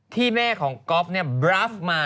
ที่แม่ของก๊อฟเนี่ยบราฟมา